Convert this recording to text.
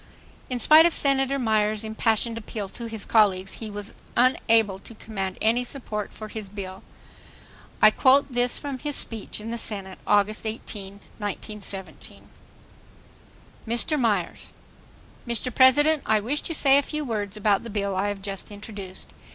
. In spite of Senator Myers' impassioned appeal to his colleagues, be was unable to command any support for his bill. I quote this from his speech in the Senate August 18, 1917: MR. MYERS: Mr. President, I wish to say a few words about the bill I have just introduced.